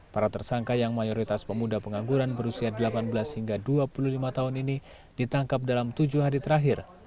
para tersangka yang mayoritas pemuda pengangguran berusia delapan belas hingga dua puluh lima tahun ini ditangkap dalam tujuh hari terakhir